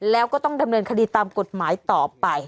แล้วก็ต้องดำเนินคดีตามกฎหมายต่อไป